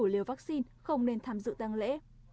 đủ liều vaccine không nên tham dự tàng lễ